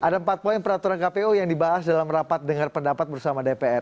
ada empat poin peraturan kpu yang dibahas dalam rapat dengar pendapat bersama dpr